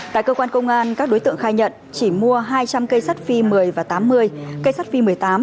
tại cơ quan công an các đối tượng khai nhận chỉ mua hai trăm linh cây sắt phi một mươi và tám mươi cây sắt phi một mươi tám